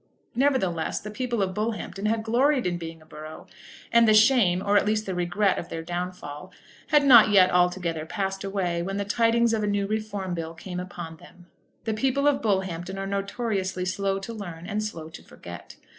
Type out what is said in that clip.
Nevertheless, the people of Bullhampton had gloried in being a borough, and the shame, or at least the regret of their downfall, had not yet altogether passed away when the tidings of a new Reform Bill came upon them. The people of Bullhampton are notoriously slow to learn, and slow to forget.